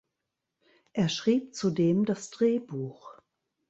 Er schrieb zudem das Drehbuch.